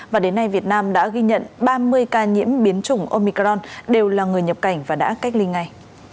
và đến nay việt nam đã ghi nhận ba mươi ca nhiễm biến chủng omicron đều là người nhập cảnh và đã cách ly ngay